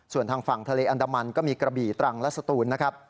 ส่วนทางฝั่งทะเลอันดามันก็มีกระบี่ตรังและสตูนนะครับ